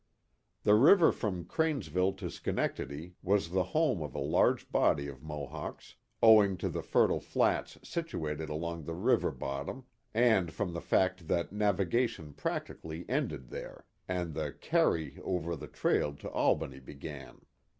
The river from Cranesville to Schenectady was the home of a large body of Mohawks, owing to the fertile flats situated along the river bottom, and from the fact that navigation practically ended there, and the " carry " over the trail to Albany began.